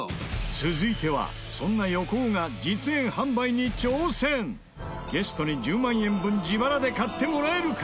続いては、そんな横尾が実演販売に挑戦ゲストに、１０万円分自腹で買ってもらえるか？